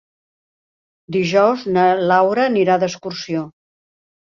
Dijous na Laura anirà d'excursió.